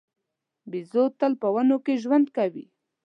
بیزو تل په ونو کې ژوند کوي.